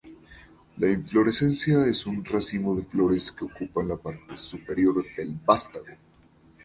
La inflorescencia es un racimo de flores que ocupan la parte superior del vástago.